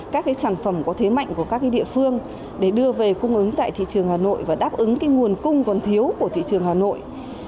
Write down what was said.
các sản phẩm có thế mạnh của các địa phương để đưa về cung ứng tại thị trường hà nội và đáp ứng nguồn cung còn thiếu của thị trường hà nội